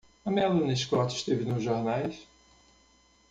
A Melanie Scott esteve nos jornais?